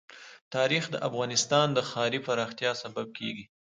تاریخ د افغانستان د ښاري پراختیا سبب کېږي.